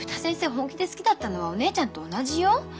本気で好きだったのはお姉ちゃんと同じよ。